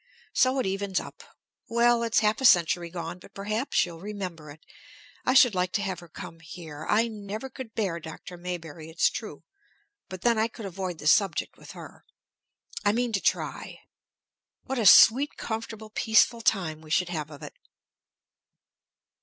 So it evens up. Well, it's half a century gone; but perhaps she'll remember it. I should like to have her come here. I never could bear Dr. Maybury, it's true; but then I could avoid the subject with her. I mean to try. What a sweet, comfortable, peaceful time we should have of it!"